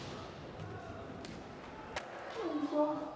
団長。